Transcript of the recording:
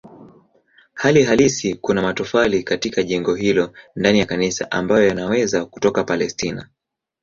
Hali halisi kuna matofali katika jengo hilo ndani ya kanisa ambayo yanaweza kutoka Palestina.